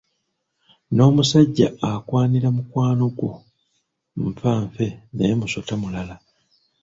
N’omusajja akwanira mukwano gwo nfanfe naye musota mulala.